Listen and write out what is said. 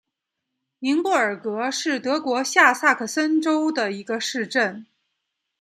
宁布尔格是德国下萨克森州的一个市镇。